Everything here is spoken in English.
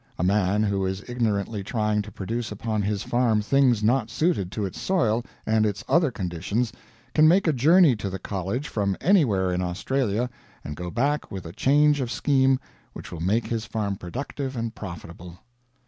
A man who is ignorantly trying to produce upon his farm things not suited to its soil and its other conditions can make a journey to the college from anywhere in Australia, and go back with a change of scheme which will make his farm productive and profitable.